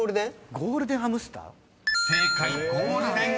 「ゴールデンハムスター」？